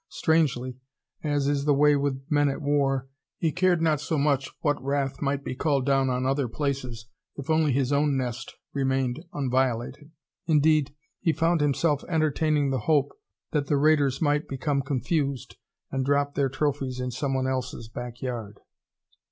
Strangely, as is the way with men at war, he cared not so much what wrath might be called down on other places if only his own nest remained unviolated. Indeed, he found himself entertaining the hope that the raiders might become confused and drop their trophies in somebody else's back yard.